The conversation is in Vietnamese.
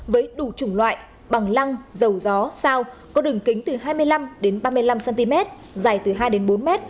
với đủ chủng loại bằng lăng dầu gió sao có đường kính từ hai mươi năm ba mươi năm cm dài từ hai bốn m